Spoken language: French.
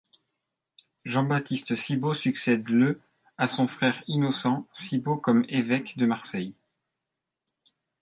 Jean-Baptiste Cibo succède le à son frère Innocent Cibo comme évêque de Marseille.